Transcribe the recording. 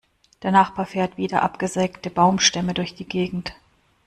Der Nachbar fährt wieder abgesägte Baumstämme durch die Gegend.